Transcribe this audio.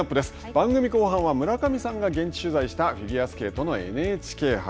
番組後半は村上さんが現地取材したフィギュアスケートのＮＨＫ杯。